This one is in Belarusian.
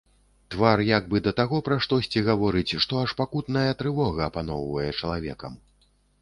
Твар як бы да таго пра штосьці гаворыць, што аж пакутная трывога апаноўвае чалавекам!